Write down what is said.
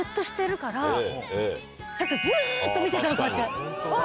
さっきからずっと見てたのこうやって。